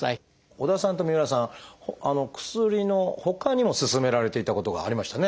織田さんと三浦さん薬のほかにも勧められていたことがありましたね。